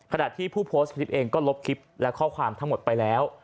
ขณะที่ผู้โพสต์คลิปเองก็ลบคลิปและข้อความทั้งหมดไปแล้ว